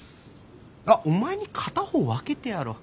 あっお前に片方分けてやろう。